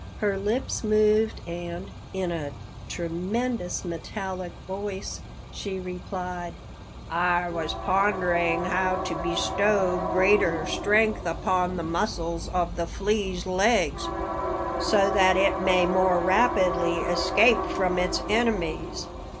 Her lips moved and, in a tremendous, metallic voice she replied: "I was pondering how to bestow greater strength upon the muscles of the flea's legs, so that it may more rapidly escape from its enemies.